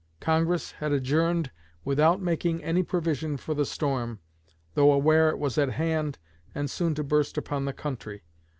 Congress had adjourned without making any provision for the storm, though aware it was at hand and soon to burst upon the country.